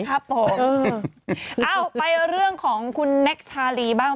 เอ้าไปเรื่องของคุณแน็กชาลีบ้าง